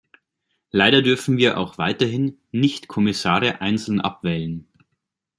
Leider dürfen wir auch weiterhin nicht Kommissare einzeln abwählen.